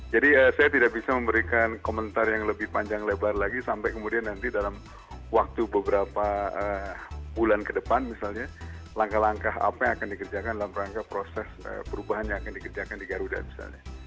jadi saya tidak bisa memberikan komentar yang lebih panjang lebar lagi sampai kemudian nanti dalam waktu beberapa bulan ke depan misalnya langkah langkah apa yang akan dikerjakan dalam rangka proses perubahannya yang akan dikerjakan di garuda misalnya